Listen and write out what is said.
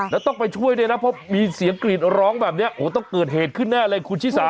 แล้วต้องไปช่วยด้วยนะเพราะมีเสียงกรีดร้องแบบนี้โอ้โหต้องเกิดเหตุขึ้นแน่เลยคุณชิสา